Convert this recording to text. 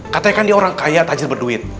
katanya kan dia orang kaya tajir berduit